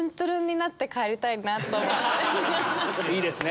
いいですね。